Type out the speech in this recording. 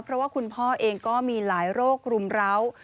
เพราะว่าคุณพ่อเองก็มีหลายโรครุมร้าว